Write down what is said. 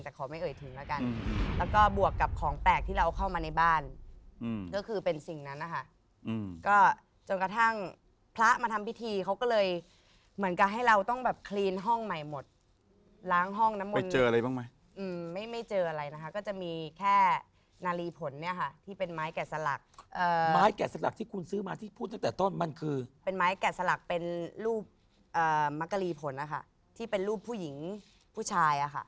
แต่ขอไม่เอ่ยถึงแล้วกันแล้วก็บวกกับของแตกที่เราเอาเข้ามาในบ้านก็คือเป็นสิ่งนั้นนะคะก็จนกระทั่งพระมาทำพิธีเขาก็เลยเหมือนกันให้เราต้องแบบคลีนห้องใหม่หมดล้างห้องน้ำมันเจออะไรบ้างไหมไม่เจออะไรนะคะก็จะมีแค่นาลีผลเนี่ยค่ะที่เป็นไม้แกะสลักไม้แกะสลักที่คุณซื้อมาที่พูดตั้งแต่ตอนมันคือเป็นไม้แกะสลั